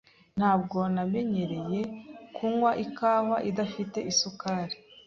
Ntabwo namenyereye kunywa ikawa idafite isukari.